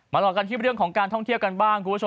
มาลองกันคิดไปเรื่องของการท่องเที่ยวกันบ้าง